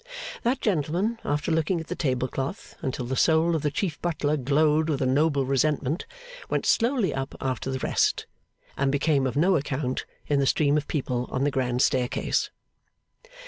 That gentleman, after looking at the table cloth until the soul of the chief butler glowed with a noble resentment, went slowly up after the rest, and became of no account in the stream of people on the grand staircase.